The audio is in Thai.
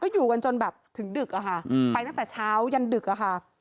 อยู่กันจนแบบถึงดึกอะค่ะไปตั้งแต่เช้ายันดึกอะค่ะ